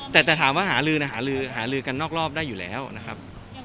แต่จะถามว่าหาลือนะหาลือหาลือกันนอกรอบได้อยู่แล้วนะครับ